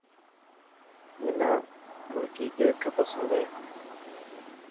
حنا ملڪي ڪيڪ پسند هي.